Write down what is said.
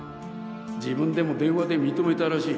自分でも電話で認めたらしい。